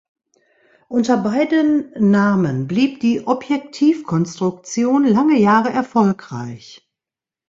Unter beiden Namen blieb die Objektiv-Konstruktion lange Jahre erfolgreich.